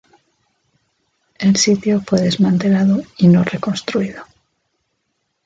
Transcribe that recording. El sitio fue desmantelado y no reconstruido.